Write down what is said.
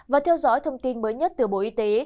và theo dõi thông tin mới nhất từ bộ y tế